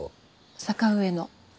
坂上の。